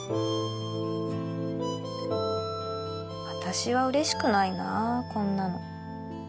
私は嬉しくないなこんなの